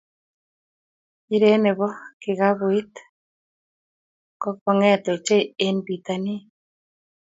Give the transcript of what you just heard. Mpiret ne bo kikapuit ko kenget ochei eng bitonin.